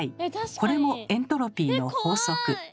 これもエントロピーの法則。